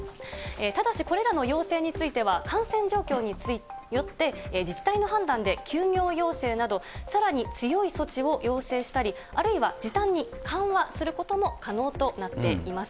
ただしこれらの要請については感染状況によって自治体の判断で休業要請など、さらに強い措置を要請したり、あるいは時短に緩和することも可能となっています。